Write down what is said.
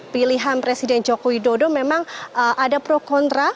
pilihan presiden joko widodo memang ada pro kontra